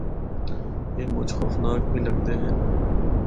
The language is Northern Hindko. اے مُچ خوفناک بھی لگدے ہن۔